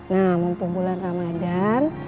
nah mumpung bulan ramadhan